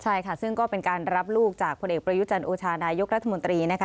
ใช่ค่ะซึ่งก็เป็นการรับลูกจากผลเอกประยุจันทร์โอชานายกรัฐมนตรีนะคะ